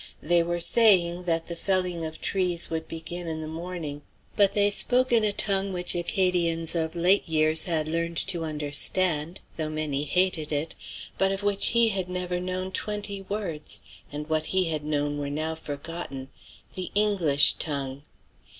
They were saying that the felling of trees would begin in the morning; but they spoke in a tongue which Acadians of late years had learned to understand, though many hated it, but of which he had never known twenty words, and what he had known were now forgotten the English tongue.